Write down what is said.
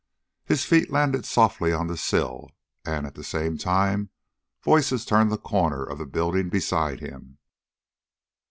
His feet landed softly on the sill, and, at the same time, voices turned the corner of the building beside him.